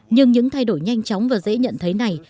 nhưng những thay đổi nhanh chóng và dễ nhận thấy này